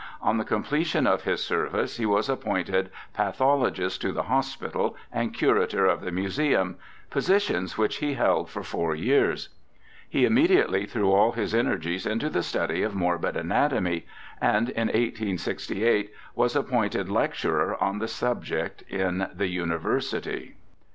On the completion of his service he was appointed pathologist to the Hospital and curator of the Museum, positions which he held for four years. He immediately threw all his energies into the study of morbid anatomy, and in 1868 was appointed lecturer 214 BIOGRAPHICAL ESSAYS on the subject in the University.